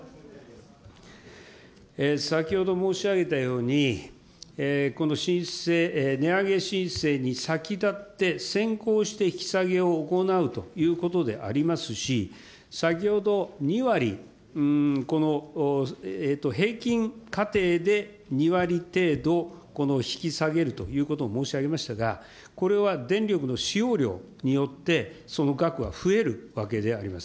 先ほど申し上げたように、この申請、値上げ申請に先立って、先行して引き下げを行うということでありますし、先ほど２割、この平均家庭で２割程度引き下げるということを申し上げましたが、これは電力の使用量によってその額は増えるわけであります。